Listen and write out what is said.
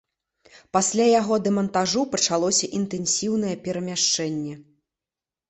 Пасля яго дэмантажу пачалося інтэнсіўнае перамяшчэнне.